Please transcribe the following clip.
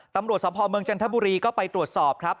ตำรวจสภเมืองจันทบุรีก็ไปตรวจสอบครับ